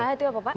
mkh itu apa pak